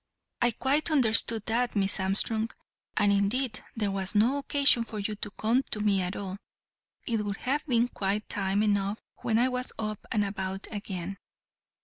"I quite understood that, Miss Armstrong, and indeed there was no occasion for you to come to me at all. It would have been quite time enough when I was up and about again.